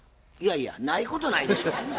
いやいやないことないでしょ。